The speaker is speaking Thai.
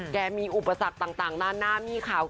แกมีอุปสรรคต่างด้านหน้ามีข่าว